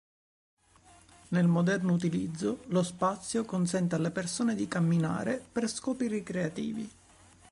Nel moderno utilizzo lo spazio consente alle persone di camminare per scopi ricreativi.